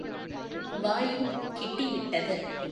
வாயும் கிட்டி விட்டது.